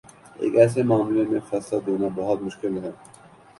ایک ایسے معاملے میں فیصلہ دینا بہت مشکل ہوتا ہے۔